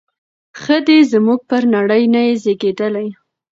ښه دی زموږ پر نړۍ نه یې زیږیدلی